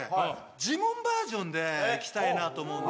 ジモンバージョンでいきたいなと思うので。